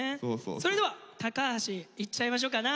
それでは高橋いっちゃいましょうかな。